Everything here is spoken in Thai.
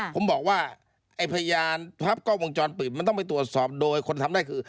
ผมบอกว่าไอ้พยานภาพกล้องวงจรปิดมันต้องไปตรวจสอบโดยคนทำได้คือ